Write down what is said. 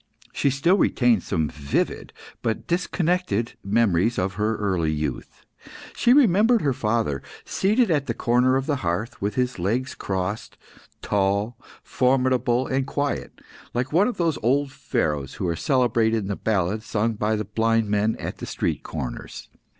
She still retained some vivid, but disconnected, memories of her early youth. She remembered her father, seated at the corner of the hearth with his legs crossed tall, formidable, and quiet, like one of those old Pharaohs who are celebrated in the ballads sung by blind men at the street corners.